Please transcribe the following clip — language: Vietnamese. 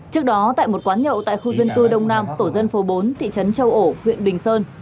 trước đó tại một quán nhậu tại khu dân cư đông nam tổ dân phố bốn thị trấn châu ổ huyện bình sơn